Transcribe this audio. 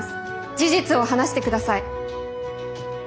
事実を話してください。